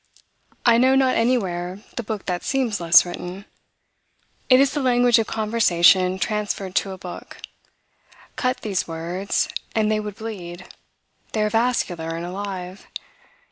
I know not anywhere the book that seems less written. It is the language of conversation transferred to a book. Cut these words, and they would bleed; they are vascular and alive.